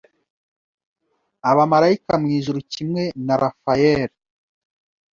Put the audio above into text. abamarayika mwijuru Kimwe na Raphael